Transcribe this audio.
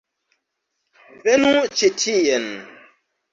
Venu ĉi tien.